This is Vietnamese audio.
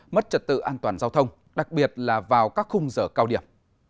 mất trật tự an toàn giao thông đặc biệt là vào các khung giờ cao điểm